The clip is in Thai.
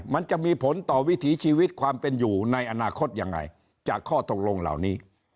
มันจะมีผลต่อวิถีชีวิตความเป็นอยู่ในอนาคตยังไงจากข้อตกลงเหล่านี้